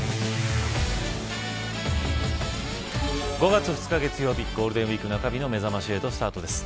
５月２日月曜日ゴールデンウイーク中日のめざまし８、スタートです。